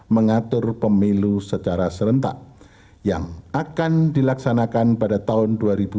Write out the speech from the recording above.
mengatur pemilu secara serentak yang akan dilaksanakan pada tahun dua ribu dua puluh